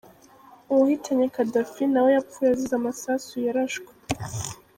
Uwahitanye kadafi nawe yapfuye azize amasasu yarashwe